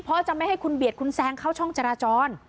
เพราะจะไม่ให้คุณเบียดคุณแซงเข้าช่องจราจร